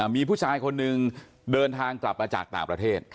มีผู้ชายคนหนึ่งเดินทางกลับมาจากต่างประเทศ